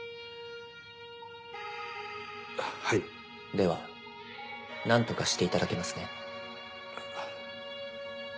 では何とかしていただけますね？